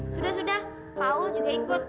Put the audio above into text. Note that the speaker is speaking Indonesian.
sudah sudah laul juga ikut